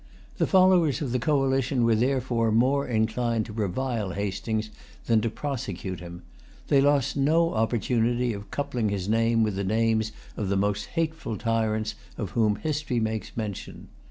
The followers of the coalition were therefore more inclined to revile Hastings than to prosecute him. They lost no opportunity of coupling his name with the names of the most hateful tyrants of whom history makes mention.